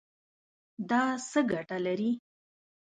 دا څه ګټه لري؟